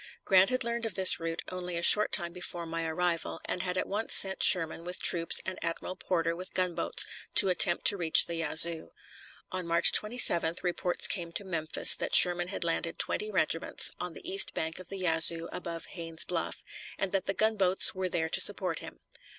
Grant had learned of this route only a short time before my arrival, and had at once sent Sherman with troops and Admiral Porter with gunboats to attempt to reach the Yazoo. On March 27th reports came to Memphis that Sherman had landed twenty regiments on the east bank of the Yazoo above Haynes's Bluff, and that the gunboats were there to support him.